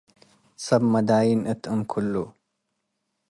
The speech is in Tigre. ሰብ መደይን እት እምክሉ” ።